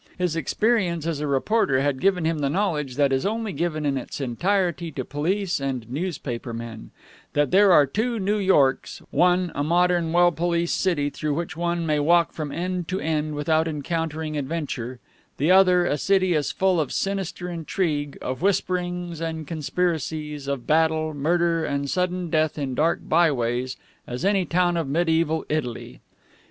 His experience as a reporter had given him the knowledge that is only given in its entirety to police and newspaper men: that there are two New Yorks one, a modern, well policed city, through which one may walk from end to end without encountering adventure; the other, a city as full of sinister intrigue, of whisperings and conspiracies, of battle, murder, and sudden death in dark byways, as any town of mediaeval Italy.